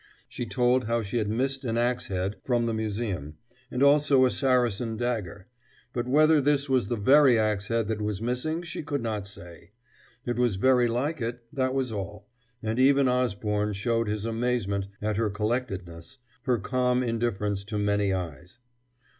She told how she had missed an ax head from the museum, and also a Saracen dagger, but whether this was the very ax head that was missing she could not say. It was very like it that was all and even Osborne showed his amaze at her collectedness, her calm indifference to many eyes.